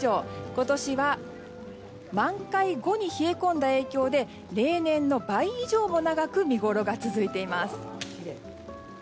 今年は満開後に冷え込んだ影響で例年の倍以上も長く見ごろが続いています。